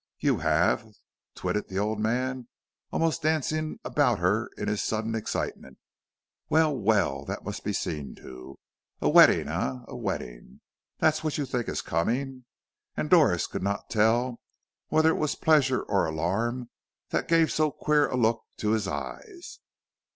"You have?" twitted the old man, almost dancing about her in his sudden excitement. "Well, well, that must be seen to. A wedding, eh, a wedding? That's what you think is coming?" And Doris could not tell whether it was pleasure or alarm that gave so queer a look to his eyes.